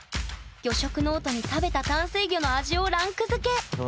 「魚食ノート」に食べた淡水魚の味をランク付け！